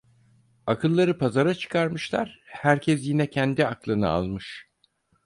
Akılları pazara çıkarmışlar, herkes yine kendi aklını almış.